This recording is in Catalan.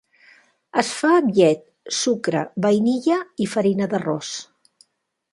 Es fa amb llet, sucre, vainilla i farina d'arròs.